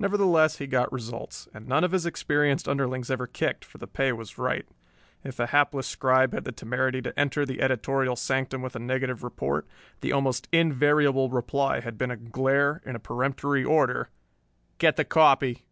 Nevertheless he got results, and none of his experienced underlings ever kicked, for the pay was right. If a hapless scribe had the temerity to enter the editorial sanctum with a negative report, the almost invariable reply had been a glare and a peremptory order, "Get the copy."